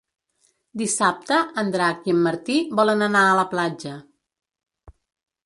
Dissabte en Drac i en Martí volen anar a la platja.